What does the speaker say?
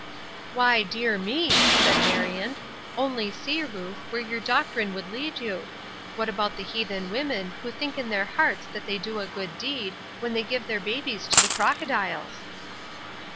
"Why, dear me!" said Marion, "only see, Ruth, where your doctrine would lead you! What about the heathen women who think in their hearts that they do a good deed when they give their babies to the crocodiles?"